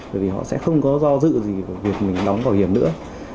bởi vì họ sẽ không có do dự gì của việc mình đóng bảo hiểm nữa